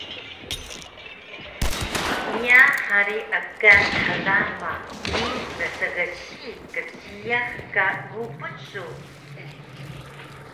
iya hari ekan hlama ni gsgsi kjiyax ka gupun su